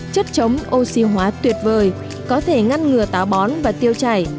chất chống oxy hóa tuyệt vời có thể ngăn ngừa táo bón và tiêu chảy